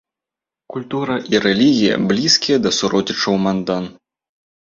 Культура і рэлігія блізкія да суродзічаў-мандан.